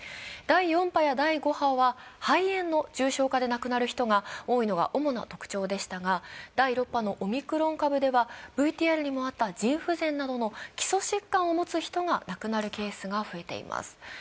第４波や第５波は肺炎の重症化で亡くなる人が多いのが特徴でしたが第６波のオミクロン株ではＶＴＲにもあった腎不全などの基礎疾患を持つ人が亡くなるケースが増えています。